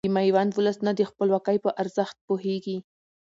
د ميوند ولسونه د خپلواکۍ په ارزښت پوهيږي .